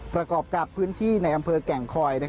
ประกอบกับพื้นที่ในอำเภอแก่งคอย